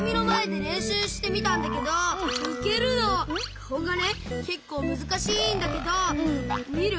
かおがねけっこうむずかしいんだけどみる？